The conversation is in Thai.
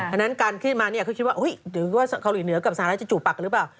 อันนั้นการขึ้นมาเนี่ยเขาคิดว่าหรือว่าเกาหลีเหนือกับสหรัฐจะจูบปากกันหรือเปล่า